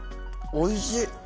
おいしい！